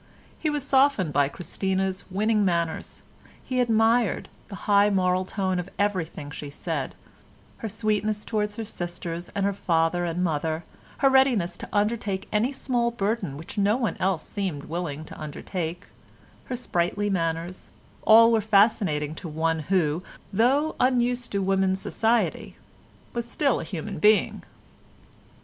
He was softened by Christina's winning manners: he admired the high moral tone of everything she said; her sweetness towards her sisters and her father and mother, her readiness to undertake any small burden which no one else seemed willing to undertake, her sprightly manners, all were fascinating to one who, though unused to woman's society, was still a human being.